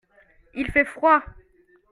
il fait froid.